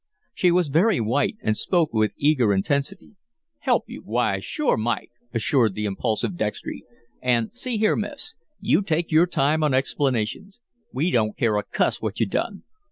She was very white, and spoke with eager intensity. "Help you? Why, sure Mike!" assured the impulsive Dextry, "an', see here, Miss you take your time on explanations. We don't care a cuss what you done.